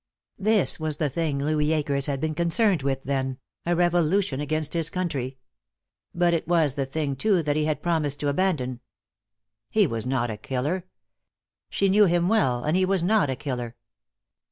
This was the thing Louis Akers had been concerned with, then, a revolution against his country. But it was the thing, too, that he had promised to abandon. He was not a killer. She knew him well, and he was not a killer.